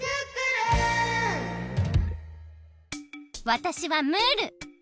わたしはムール。